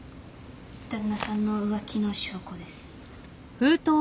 旦那さんの浮気の証拠です。